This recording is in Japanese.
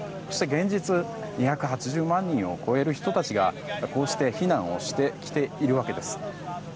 そして、現実２８０万人を超える人たちがこうして避難をしてきているわけです。